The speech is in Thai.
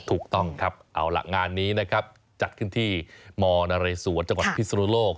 ถูกต้องครับเอาล่ะงานนี้นะครับจัดขึ้นที่มนเรศวรจังหวัดพิศนุโลก